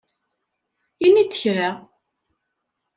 Ini-d kra.